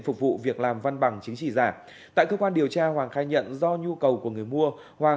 phục vụ việc làm văn bằng chứng chỉ giả tại cơ quan điều tra hoàng khai nhận do nhu cầu của người mua hoàng